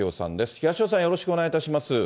東尾さん、よろしくお願いいたします。